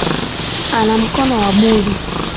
Ana mkono wa buli